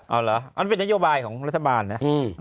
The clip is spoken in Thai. อ๋อเหรออันนี้เป็นนโยบายของรัฐบาลนะ